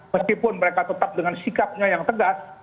meskipun mereka tetap dengan sikapnya yang tegas